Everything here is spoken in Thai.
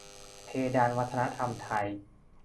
เพดานวัฒนธรรมไทย